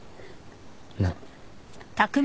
なっ。